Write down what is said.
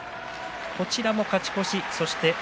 こちらも勝ち越し。